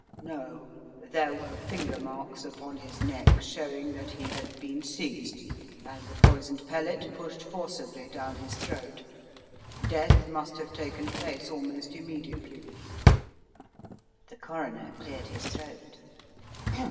"No. There were finger marks upon his neck ft it 222 The Riddle of the Purple Emperor showing that he had been seized, and the poisoned pellet pushed forcibly down his throat. Death must have taken place almost immediately." The Coroner cleared his throat.